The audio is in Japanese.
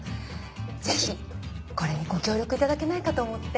ぜひこれにご協力頂けないかと思って。